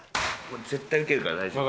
絶対受けるから大丈夫。